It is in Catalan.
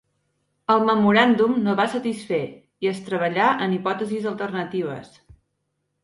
El memoràndum no va satisfer i es treballà en hipòtesis alternatives.